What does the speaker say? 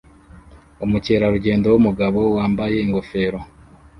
Umukerarugendo wumugabo wambaye ingofero